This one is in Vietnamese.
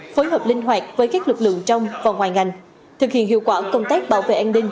phối hợp linh hoạt với các lực lượng trong và ngoài ngành thực hiện hiệu quả công tác bảo vệ an ninh